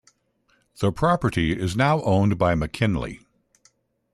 The property is now owned by McKinley.